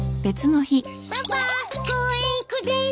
パパ公園行くです。